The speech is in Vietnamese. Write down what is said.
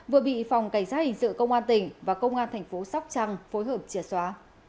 vừa bị phòng cảnh sát hình sự công an tỉnh và công an tp sóc trăng phối hợp chia xóa